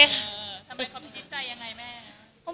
ทำไมเขาพิจิตใจยังไงแม่